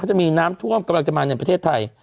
จะมีน้ำท่วมกำลังจะมาในประเทศไทย